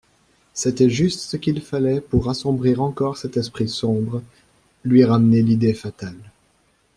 C'était juste ce qu'il fallait pour assombrir encore cet esprit sombre, lui ramener l'idée fatale.